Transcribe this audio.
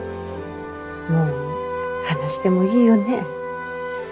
もう話してもいいよね。